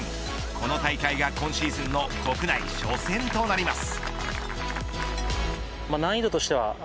この大会が今シーズンの国内初戦となります。